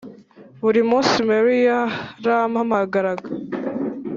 buri munsi mary yarampamagaraga